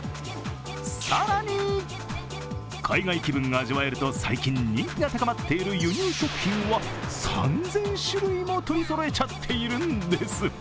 更に海外気分が味わえると最近人気が高まっている輸入食品は３０００種類も取りそろえちゃっているんです。